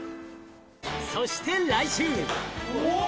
そして来週。